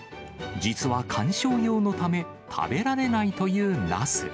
実は観賞用のため、食べられないというナス。